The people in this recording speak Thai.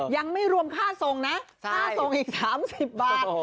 ยังไม่รวมค่าส่งนะค่าส่งอีก๓๐บาท